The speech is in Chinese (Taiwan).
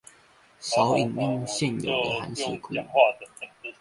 少引用現有的函式庫